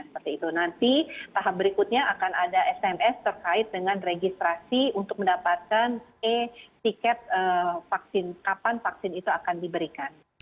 seperti itu nanti tahap berikutnya akan ada sms terkait dengan registrasi untuk mendapatkan e tiket kapan vaksin itu akan diberikan